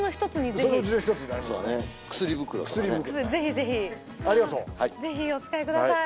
ぜひお使いください